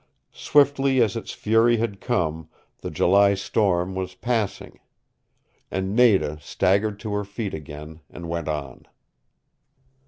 Swiftly as its fury had come, the July storm was passing. And Nada staggered to her feet again and went on.